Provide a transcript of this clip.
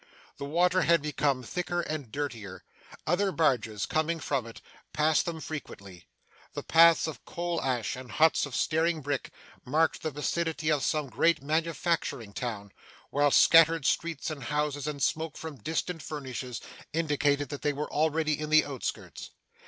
The water had become thicker and dirtier; other barges, coming from it, passed them frequently; the paths of coal ash and huts of staring brick, marked the vicinity of some great manufacturing town; while scattered streets and houses, and smoke from distant furnaces, indicated that they were already in the outskirts.